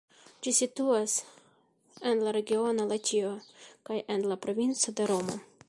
Ĝi situas en la regiono Latio kaj en la provinco de Romo.